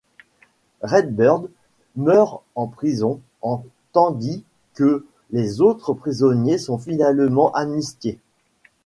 Red Bird meurt en prison en tandis que les autres prisonniers sont finalement amnistiés.